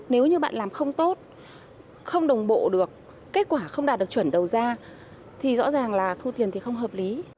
nếu như bạn làm không tốt không đồng bộ được kết quả không đạt được chuẩn đầu ra thì rõ ràng là thu tiền thì không hợp lý